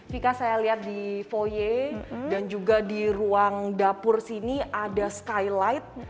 vika saya lihat di voye dan juga di ruang dapur sini ada skylight